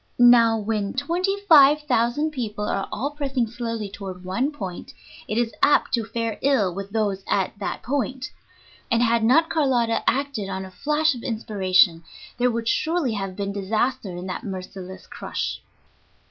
Now, when twenty five thousand people are all pressing slowly toward one point, it is apt to fare ill with those at that point; and had not Carlotta acted on a flash of inspiration there would surely have been disaster in that merciless crush.